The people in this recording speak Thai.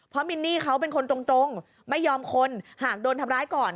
เพราะมินนี่เขาเป็นคนตรงไม่ยอมคนหากโดนทำร้ายก่อน